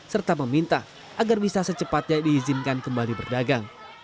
serta meminta agar bisa secepatnya diizinkan kembali berdagang